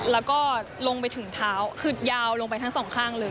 แล้วก็ลงไปถึงเท้าคือยาวลงไปทั้งสองข้างเลย